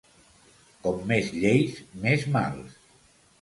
Com més lleis, més mals.